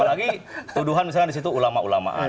apalagi tuduhan misalnya di situ ulama ulamaan